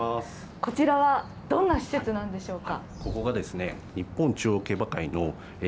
こちらはどんな施設なんでしょうか？